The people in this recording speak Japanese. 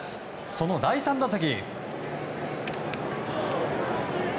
その第３打席。